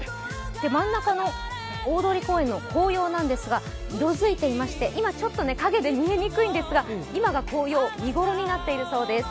真ん中の大通公園の紅葉なんですが、色づいていまして今、ちょっと影で見えにくいんですが、今が紅葉、見頃になっているそうです。